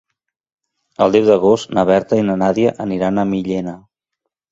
El deu d'agost na Berta i na Nàdia aniran a Millena.